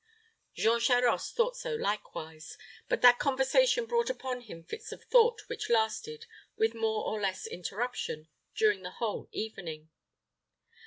Jean Charost thought so likewise; but that conversation brought upon him fits of thought which lasted, with more or less interruption, during the whole evening.